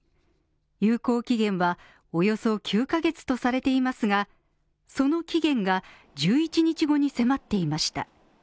有効期限は、およそ９ヶ月とされていますが、その期限が１１日後に迫っていました。